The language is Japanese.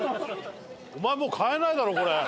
お前もう買えないだろこれ！